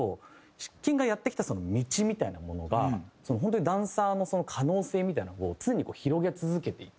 シッキンがやってきた道みたいなものが本当にダンサーの可能性みたいなのを常に広げ続けていて。